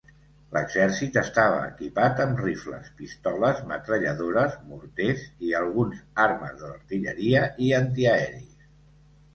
L'exèrcit estava equipat amb rifles, pistoles, metralladores, morters i alguns armes de l'artilleria i antiaeris.